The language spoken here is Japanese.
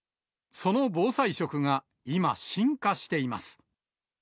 その防災食が今、進化しています。